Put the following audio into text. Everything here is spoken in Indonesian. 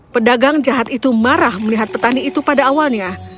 pedagang jahat itu marah melihat petani itu pada awalnya